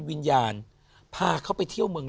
วิญญาณพาเขาไปเที่ยวเมือง